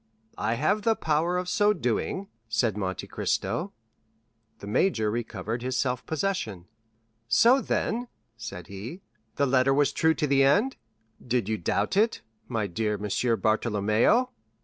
"I have the power of so doing," said Monte Cristo. The major recovered his self possession. "So, then," said he, "the letter was true to the end?" "Did you doubt it, my dear Monsieur Bartolomeo?"